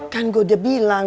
kan gue udah bilang